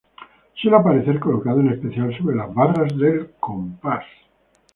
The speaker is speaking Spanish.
Suele aparecer colocado en especial sobre las barras de compás.